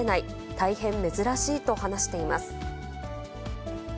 大変珍しいと話しています。